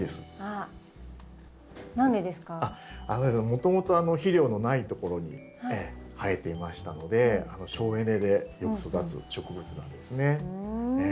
もともと肥料のないところに生えていましたので省エネでよく育つ植物なんですね。